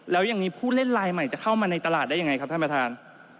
แล้วยังมีผู้เล่นลายใหม่จะเข้ามาในตลาดได้ยังไงครับท่านประธาน